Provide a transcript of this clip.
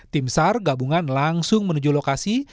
tim sar gabungan langsung menuju lokasi